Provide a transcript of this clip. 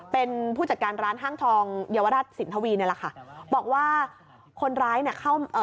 เป็นผู้จัดการร้านห้างทองเยาวราชสินทวีเนี่ยแหละค่ะบอกว่าคนร้ายเนี่ยเข้าเอ่อ